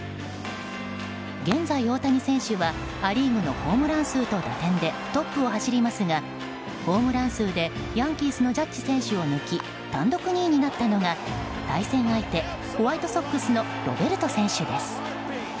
現在、大谷選手はア・リーグのホームラン数と打点でトップを走りますがホームラン数でヤンキースのジャッジ選手を抜き単独２位になったのが対戦相手、ホワイトソックスのロベルト選手です。